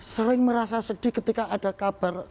sering merasa sedih ketika ada kabar